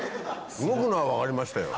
動くのは分かりましたよ